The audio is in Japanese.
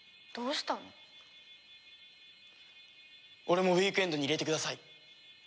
俺もウィークエンドに入れてください。